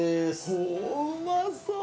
おぉうまそう。